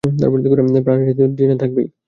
প্রাণ আছে তো ডিএনএ থাকবেই!